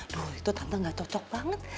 aduh itu tante gak cocok banget